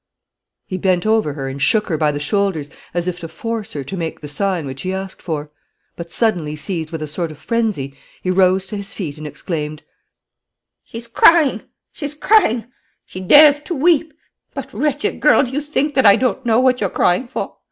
He bent over her and shook her by the shoulders, as if to force her to make the sign which he asked for. But suddenly seized with a sort of frenzy, he rose to his feet and exclaimed: "She's crying! She's crying! She dares to weep! But, wretched girl, do you think that I don't know what you're crying for?